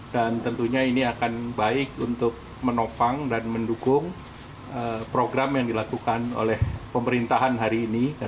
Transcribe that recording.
dan tentunya ini akan baik untuk menopang dan mendukung program yang dilakukan oleh pemerintahan hari ini